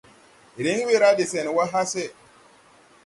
Riŋ we ra de sɛn wà hase.